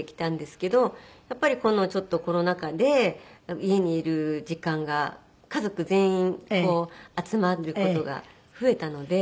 やっぱりちょっとコロナ禍で家にいる時間が家族全員集まる事が増えたので。